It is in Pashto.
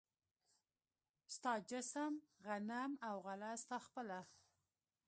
ستا جسم، غنم او غله ستا خپله